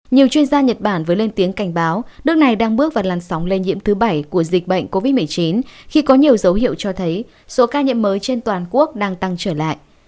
nhiều chuyên gia nhật bản vừa lên tiếng cảnh báo nước này đang bước vào làn sóng lây nhiễm thứ bảy của dịch bệnh covid một mươi chín khi có nhiều dấu hiệu cho thấy số ca nhiễm mới trên toàn quốc đang tăng trở lại